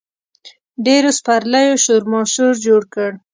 ډېرو سپرلیو شورماشور جوړ کړ.